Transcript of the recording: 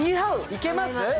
いけます？